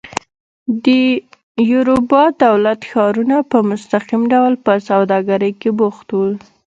د یوروبا دولت ښارونه په مستقیم ډول په سوداګرۍ کې بوخت وو.